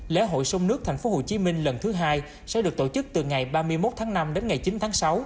lễ hội sông nước tp hcm lần thứ hai sẽ được tổ chức từ ngày ba mươi một tháng năm đến ngày chín tháng sáu